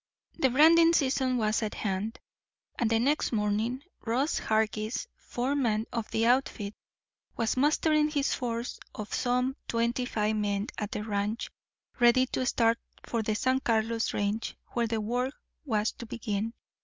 The branding season was at hand, and the next morning Ross Hargis, foreman of the outfit, was mustering his force of some twenty five men at the ranch, ready to start for the San Carlos range, where the work was to begin.